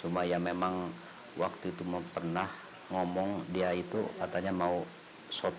cuma ya memang waktu itu pernah ngomong dia itu katanya mau shorting show gitu pak